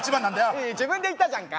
いやいや自分で言ったじゃんか。